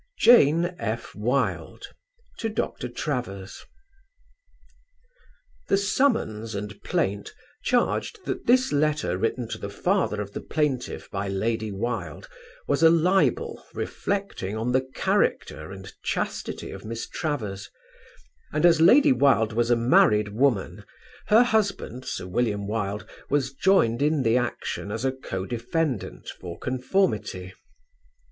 JANE F. WILDE. To Dr. Travers. The summons and plaint charged that this letter written to the father of the plaintiff by Lady Wilde was a libel reflecting on the character and chastity of Miss Travers, and as Lady Wilde was a married woman, her husband Sir William Wilde was joined in the action as a co defendant for conformity.